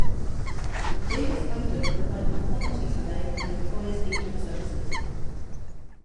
Davis Langdon provided quantity surveying and employer's agent services.